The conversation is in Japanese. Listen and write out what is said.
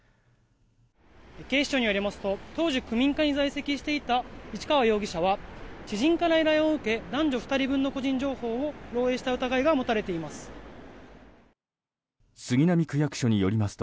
警視庁によりますと当時、区民課に在籍していた市川容疑者は知人から依頼を受け男女２人分の個人情報を漏洩した疑いが持たれています。